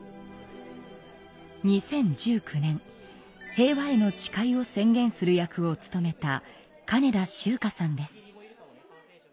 ２０１９年「平和への誓い」を宣言する役を務めた金田秋佳さんです。